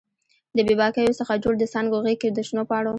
د بې باکیو څخه جوړ د څانګو غیږ کې د شنو پاڼو